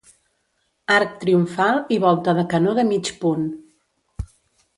Arc triomfal i volta de canó de mig punt.